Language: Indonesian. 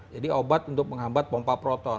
jadi obat untuk menghambat pompa proton